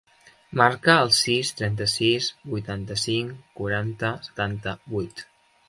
Marca el sis, trenta-sis, vuitanta-cinc, quaranta, setanta-vuit.